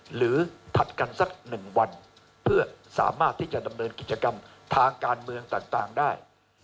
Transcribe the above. ถัดกันสัก๑วันเพื่อสามารถที่จะดำเนินกิจกรรมทางการเมืองต่างได้